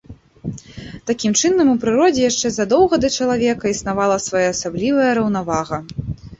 Такім чынам, у прыродзе яшчэ задоўга да чалавека існавала своеасаблівая раўнавага.